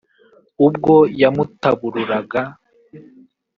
ubwo yamutabururaga